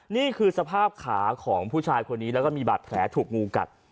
นี่คือสภาพขาของผู้ชายคนนี้แล้วก็มีบาดแผลถูกงูกัด